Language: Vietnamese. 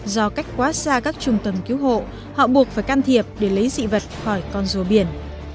do cách quá xa các trung tâm cứu hộ họ buộc phải can thiệp để lấy dị vật khỏi con rùa biển